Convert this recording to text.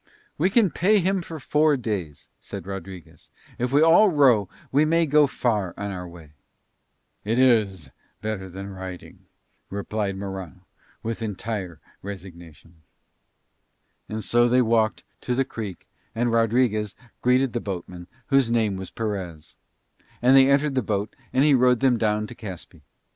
"We can pay him for four days," said Rodriguez. "If we all row we may go far on our way." "It is better than riding," replied Morano with entire resignation. And so they walked to the creek and Rodriguez greeted the boatman, whose name was Perez; and they entered the boat and he rowed them down to Caspe.